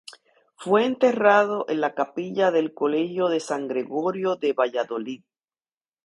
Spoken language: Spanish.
Fue enterrado en la capilla del Colegio de San Gregorio de Valladolid.